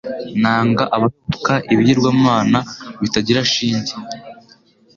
Nanga abayoboka ibigirwamana bitagira shinge